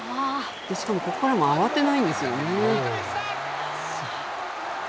しかもここからも慌てないんですよね。